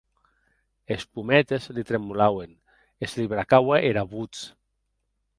Es pometes li tremolauen, e se li bracaue era votz.